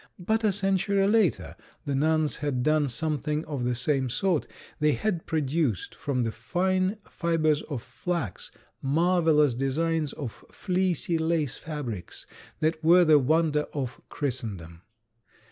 But a century later the nuns had done something of the same sort. They had produced from the fine fibers of flax marvelous designs of fleecy lace fabrics that were the wonder of Christendom.